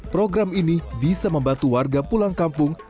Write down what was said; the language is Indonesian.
program ini bisa membantu warga pulang kampung